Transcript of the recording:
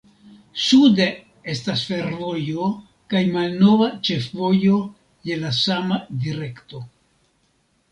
Sude estas fervojo kaj malnova ĉefvojo je la sama direkto.